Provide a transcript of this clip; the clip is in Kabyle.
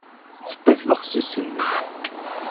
Tewwa tbexsist-nni.